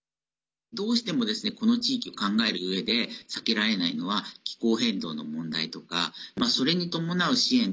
どうしても、この地域考えるうえで避けられないのは気候変動の問題とかそれに伴う支援。